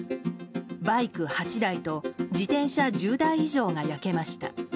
バイク８台と自転車１０台以上が焼けました。